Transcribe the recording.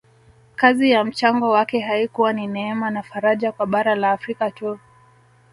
Kazi na mchango wake haikuwa ni neema na faraja kwa bara la Afrika tu